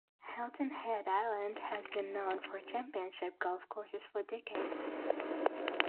Hilton Head Island has been known for championship golf courses for decades.